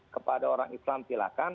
kepada orang islam silahkan